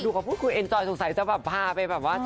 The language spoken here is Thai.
ดูกับคุณเอ็นจอยสงสัยจะพาไปเช่าพระอันนี้